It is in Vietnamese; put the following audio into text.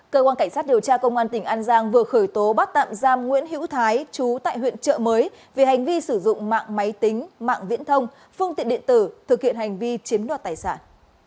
cơ quan cảnh sát điều tra công an tỉnh an giang vừa khởi tố bắt tạm giam nguyễn hữu thái chú tại huyện trợ mới vì hành vi sử dụng mạng máy tính mạng viễn thông phương tiện điện tử thực hiện hành vi chiếm đoạt tài sản